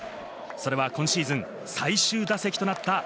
それは今シーズン最終打席となった